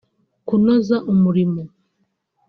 kunoza umurimo